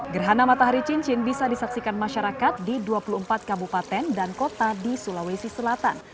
gerhana matahari cincin bisa disaksikan masyarakat di dua puluh empat kabupaten dan kota di sulawesi selatan